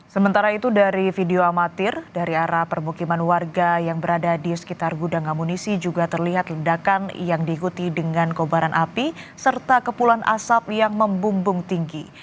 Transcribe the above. sementara itu dari video amatir dari arah permukiman warga yang berada di sekitar gudang amunisi juga terlihat ledakan yang diikuti dengan kobaran api serta kepulan asap yang membumbung tinggi